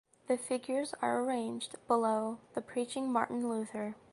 The figures are arranged below the preaching Martin Luther.